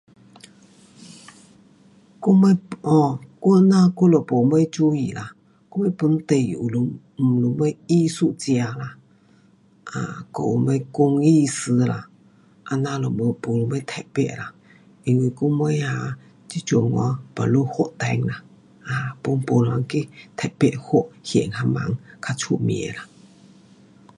[unintelligible] 我们没什么注意啦本地有什么艺术家啦，还有什么工艺师啦。这样都没什么特别啦。有什么这阵子 baru 发展啦 pun 没人去看有什么人较出名啦